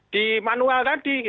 di manual tadi